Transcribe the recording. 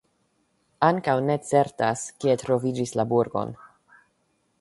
Ankaŭ ne certas, kie troviĝis la burgon.